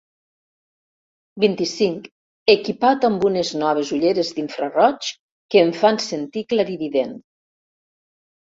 Vint-i-cinc equipat amb unes noves ulleres d'infragoigs que em fan sentir clarivident.